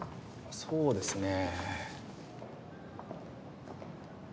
そうですね。